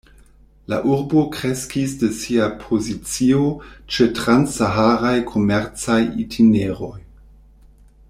La urbo kreskis de sia pozicio ĉe trans-saharaj komercaj itineroj.